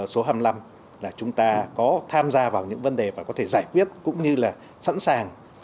số hai mươi năm là chúng ta có tham gia vào những vấn đề và có thể giải quyết cũng như là sẵn sàng